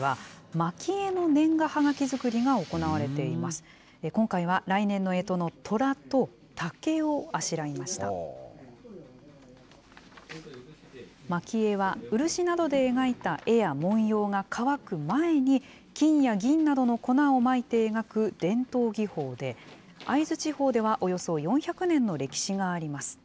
まき絵は、漆などで描いた絵や文様が乾く前に、金や銀などの粉をまいて描く伝統技法で、会津地方ではおよそ４００年の歴史があります。